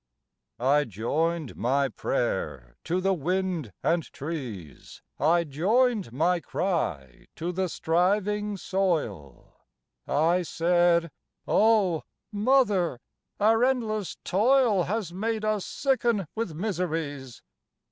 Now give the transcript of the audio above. I joined my prayer to the wind and trees, I joined my cry to the striving soil, I said, "Oh! Mother, our endless toil Has made us sicken with miseries.